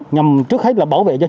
nhằm trước hết là bảo vệ cho chính